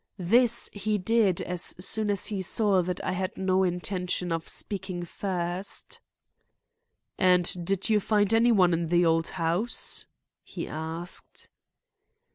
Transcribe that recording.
This he did as soon as he saw that I had no intention of speaking first. "And did you find any one in the old house?" he asked.